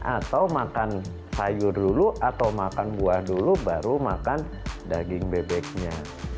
atau makan sayur dulu atau makan buah dulu baru makan daging bebeknya